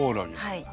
はい。